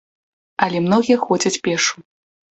Але многія ходзяць пешшу.